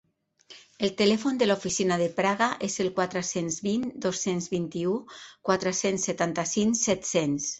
El telèfon de l'oficina de Praga és el quatre-cents vint dos-cents vint-i-u quatre-cents setanta-cinc set-cents.